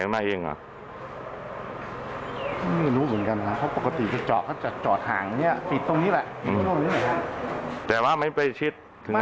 แต่ว่าไม่ไปชิดถึงไหนไม่ไม่ชิด